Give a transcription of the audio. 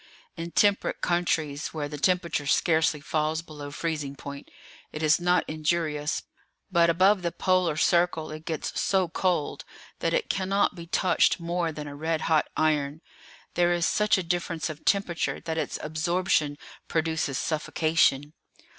In temperate countries, where the temperature scarcely falls below freezing point, it is not injurious; but above the Polar circle it gets so cold that it cannot be touched more than a red hot iron; there is such a difference of temperature that its absorption produces suffocation.